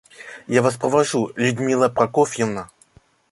Я Вас провожу, Людмила Прокофьевна?